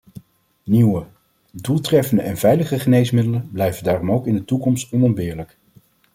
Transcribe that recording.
Nieuwe, doeltreffende en veilige geneesmiddelen blijven daarom ook in de toekomst onontbeerlijk.